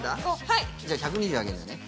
はいじゃあ１２０あげんだね